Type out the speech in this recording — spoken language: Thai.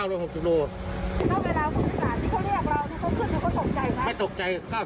แล้วเวลาที่เขาเรียกเราทุกคนเจอมูลก็ตกใจไหม